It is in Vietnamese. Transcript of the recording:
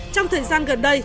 trong thời gian gần đây